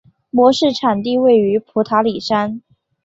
模式产地位于普塔里山。